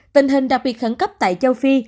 tình hình đặc biệt khẩn cấp tại châu phi